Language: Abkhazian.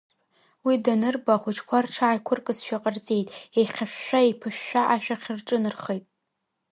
Уи данырба ахәыҷқәа рҽааиқәыркызшәа ҟарҵеит, еихьышәшәа-еиԥышәшәа ашәахь рҿынархеит.